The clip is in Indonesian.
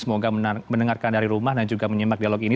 menengarkan dari rumah dan juga menyemak dialog ini